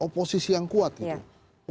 posisi yang kuat gitu